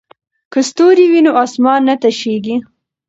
که ستوري وي نو اسمان نه تشیږي.